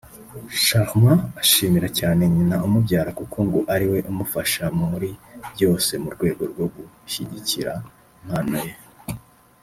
Charmant ashimira cyane nyina umubyara kuko ngo ariwe umufasha muri byose mu rwego rwo gushyigikira impano ye